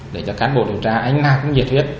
để cho cán bộ điều tra anh nào không nhiệt huyết